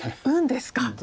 運ですか。